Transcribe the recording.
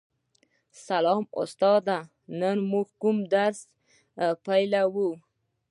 سلام استاده نن موږ کوم نوی درس پیلوو